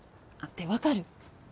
あっ。ってわかる？